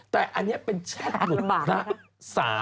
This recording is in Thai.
แต่อันนี้เป็นแชทหลุดพระ